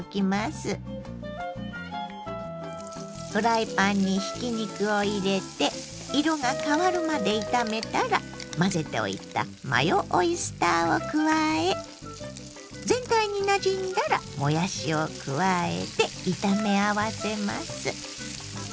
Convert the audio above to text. フライパンにひき肉を入れて色が変わるまで炒めたら混ぜておいたマヨオイスターを加え全体になじんだらもやしを加えて炒め合わせます。